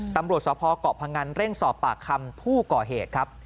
ตำรวจสพเกาะพงันเร่งสอบปากคำผู้ก่อเหตุครับ